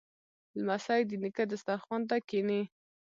لمسی د نیکه دسترخوان ته کیني.